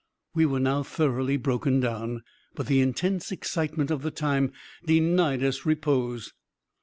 We were now thoroughly broken down; but the intense excitement of the time denied us repose.